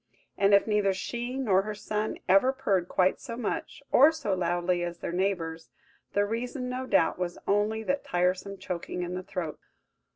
And if neither she nor her son ever purred quite so much, or so loudly as their neighbours, the reason, no doubt, was only that tiresome choking in the throat!